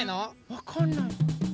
わかんない。